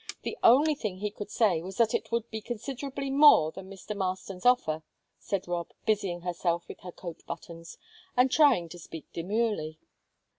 The only thing he could say was that it would be considerably more than Mr. Marston's offer," said Rob, busying herself with her coat buttons, and trying to speak demurely.